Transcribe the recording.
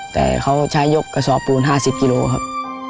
แต่เขาใช้ยกกระสอบปูน๕๐กิโลครับ